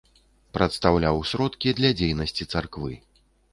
Прадстаўляў сродкі для дзейнасці царквы.